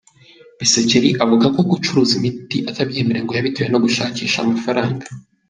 Bisekeri avuga ko gucuruza imiti atabyemerewe ngo yabitewe no gushakisha amafaranga.